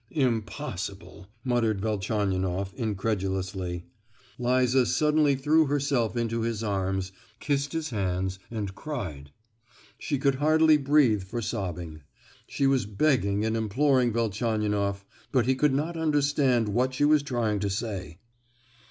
"Impossible!" muttered Velchaninoff, incredulously. Liza suddenly threw herself into his arms, kissed his hands, and cried. She could hardly breathe for sobbing; she was begging and imploring Velchaninoff, but he could not understand what she was trying to say.